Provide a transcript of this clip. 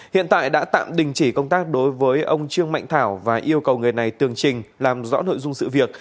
hiện tại đã tạm đình chỉ công tác đối với ông trương mạnh thảo và yêu cầu người này tường trình làm rõ nội dung sự việc